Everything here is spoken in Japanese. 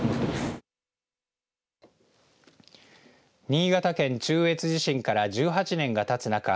新潟県中越地震から１８年がたつ中